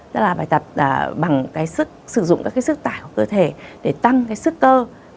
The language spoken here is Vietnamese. tức là bài tập sử dụng các sức tải của cơ thể để tăng sức cơ